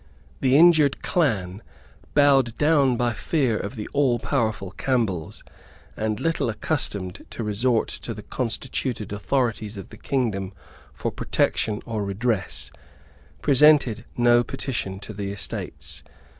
The injured clan, bowed down by fear of the allpowerful Campbells, and little accustomed to resort to the constituted authorities of the kingdom for protection or redress, presented no petition to the Estates.